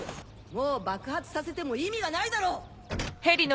もう爆発させても意味がないだろう！